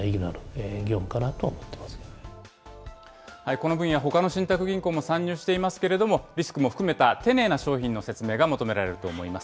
この分野、ほかの信託銀行も参入していますけれども、リスクも含めた丁寧な商品の説明が求められると思います。